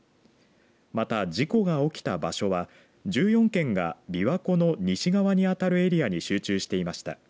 また、事故が起きた場所は１４件がびわ湖の西側に当たるエリアに集中していました。